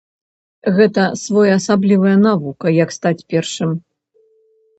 Гэта своеасаблівая навука, як стаць першым.